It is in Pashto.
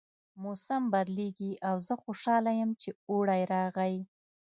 موسم بدلیږي او زه خوشحاله یم چې اوړی راغی